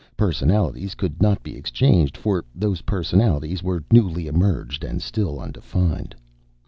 Personalities could not be exchanged, for those personalities were newly emerged and still undefined.